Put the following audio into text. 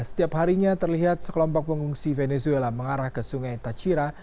setiap harinya terlihat sekelompok pengungsi venezuela mengarah ke sungai tachira